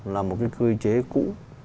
là một cái cư chế cũ